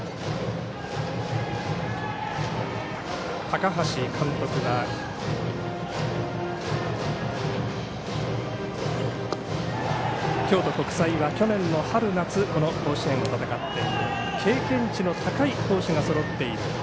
高橋監督は京都国際は去年の春夏この甲子園を戦って経験値の高い投手がそろっている。